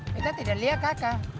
kita tidak liat kakak